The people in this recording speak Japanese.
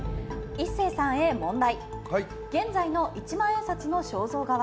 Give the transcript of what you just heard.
壱成さんへ問題。